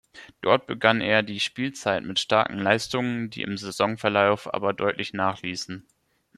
Dort begann er die Spielzeit mit starken Leistungen, die im Saisonverlauf aber deutlich nachließen.